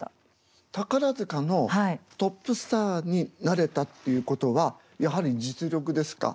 宝塚のトップスターになれたっていうことはやはり実力ですか？